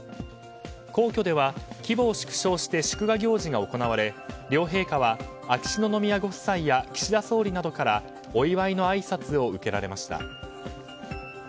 皇居では規模を縮小して祝賀行事が行われ両陛下は秋篠宮ご夫妻や岸田総理などからお祝いのあいさつを受けられました。